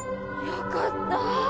よかった。